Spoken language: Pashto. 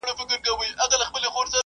سره بيلېدل به مو هم بدي پايلي لري.